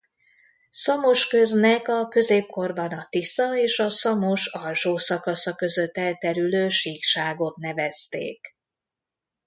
Szamosköz-nek a középkorban a Tisza és a Szamos alsó szakasza között elterülő síkságot nevezték.